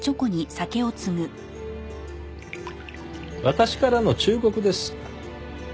私からの忠告です。